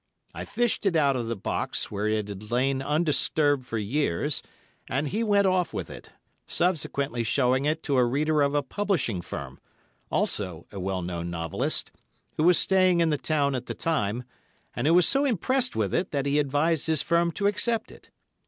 I fished it out of the box, where it had lain undisturbed for years, and he went off with it, subsequently showing it to a reader of a publishing firm—also a well known novelist—who was staying in the town at the time, and who was so impressed with it, that he advised his firm to accept it.